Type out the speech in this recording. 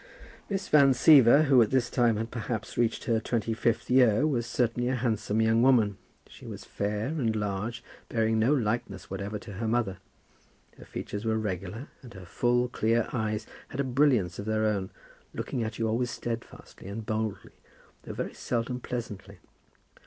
Miss Van Siever, who at this time had perhaps reached her twenty fifth year, was certainly a handsome young woman. She was fair and large, bearing no likeness whatever to her mother. Her features were regular, and her full, clear eyes had a brilliance of their own, looking at you always stedfastly and boldly, though very seldom pleasantly.